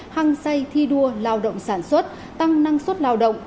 hăng say thi đua lao động sản xuất tăng năng suất lao động